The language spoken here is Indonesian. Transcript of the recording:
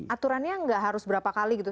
aturannya nggak harus berapa kali gitu